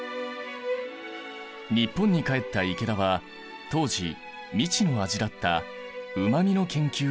日本に帰った池田は当時未知の味だったうま味の研究を開始。